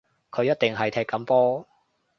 佢一定係踢緊波